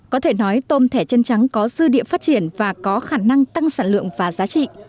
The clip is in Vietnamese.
có thể nói tôm thẻ chân trắng có dư địa phát triển và có khả năng tăng sản lượng và giá trị